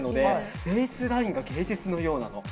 フェイスラインが芸術のようなの。